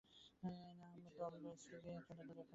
নাহ, আমরা তল বেস থেকে এতটা দূরে কোনো রোবট দেখিনি।